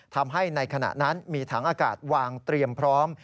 ทำให้ในขณะนั้นมีถังอากาศวางเตรียมพร้อม